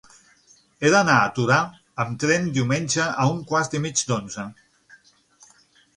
He d'anar a Torà amb tren diumenge a un quart i mig d'onze.